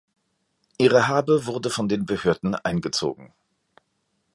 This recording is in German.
Ihre Habe wurde von den Behörden eingezogen.